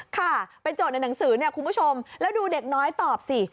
ค่ะเป็นโจทย์ในหนังสือเนี่ยคุณผู้ชมแล้วดูเด็กน้อยตอบสิ